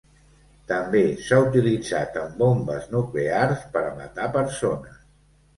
També s'ha utilitzat en bombes nuclears per a matar persones.